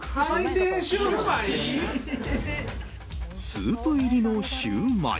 スープ入りのシューマイ。